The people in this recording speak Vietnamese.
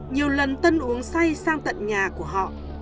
nhiều lần tân uống say sang tận nhà của họ